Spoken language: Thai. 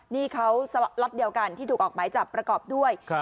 นี่เขาล็อตเดียวกันที่ถูกออกหมายจับประกอบด้วย